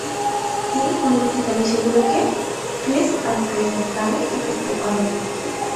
তিনি পরবর্তীকালে সেগুলোকে "প্লেস আনপ্লেজেন্ট" নামে একত্র করেন।